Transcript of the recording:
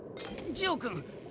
ジオ君！